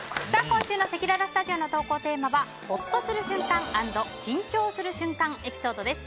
今週のせきららスタジオの投稿テーマはほっとする瞬間＆緊張する瞬間エピソードです。